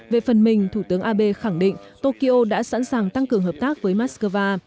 về phần mình thủ tướng abe khẳng định tokyo đã sẵn sàng tăng cường hợp tác với moscow